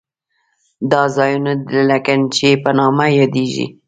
دا ځایونه د لګنچې په نامه یادېږي.